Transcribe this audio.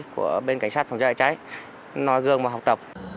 của bên cảnh sát phòng cháy chữa cháy nói gương và học tập